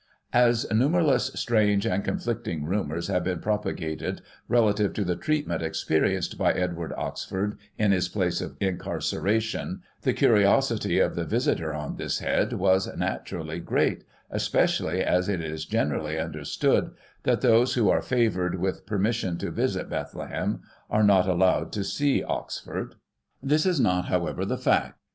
"As numberless strange and conflicting rumours have been propagated, relative to the treatment experienced by Edward Oxford, in his place of incarceration, the curiosity of the visitor on this head was, naturally, great, especially as it is generally understood that those who are favoured with per Digiti ized by Google 138 GOSSIP. [1840 mission to visit Bethlehem, are not allowed to see Oxford. This is not, however, the fact.